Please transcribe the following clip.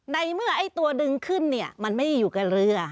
ในเมื่อไอ้ตัวดึงขึ้นเนี่ยมันไม่ได้อยู่กับเรือ